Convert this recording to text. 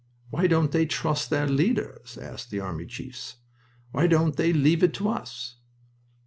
"Why don't they trust their leaders?" asked the army chiefs. "Why don't they leave it to us?"